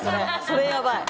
それやばい。